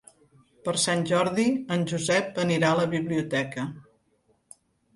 Per Sant Jordi en Josep anirà a la biblioteca.